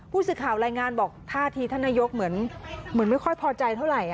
ผู้สื่อข่าวรายงานบอกท่าทีท่านนายกเหมือนไม่ค่อยพอใจเท่าไหร่